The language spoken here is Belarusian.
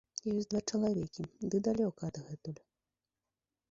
Ёсць два чалавекі, ды далёка адгэтуль.